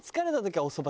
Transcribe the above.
おそば。